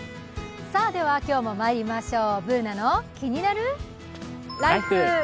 では今日もまいりましょう「ＢｏｏｎａのキニナルＬＩＦＥ」！